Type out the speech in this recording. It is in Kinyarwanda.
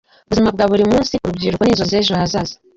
Ubuzima bwa buri munsi, Urubyiruko n’inzozi z‘ejo hazaza”.